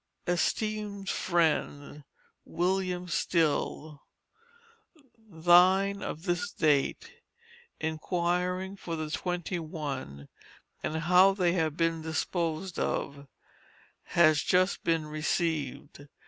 ESTEEMED FRIEND, WM. STILL: Thine of this date, inquiring for the twenty one, and how they have been disposed of, has just been received.